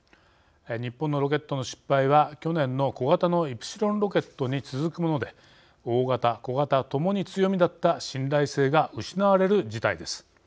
日本のロケットの失敗は去年の小型のイプシロンロケットに続くもので大型、小型ともに強みだった信頼性が失われる事態です。